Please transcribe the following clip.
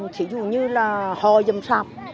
thí dụ như là hò dâm sạp